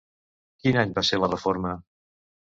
Quin any va ser la reforma?